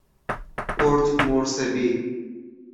پورت مورسبی